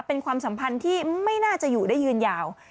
เป็นความสัมพันธ์ที่ไม่น่าจะอยู่ได้ยืนยาว